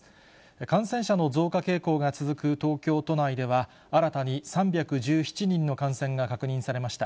感染者の増加傾向が続く東京都内では、新たに３１７人の感染が確認されました。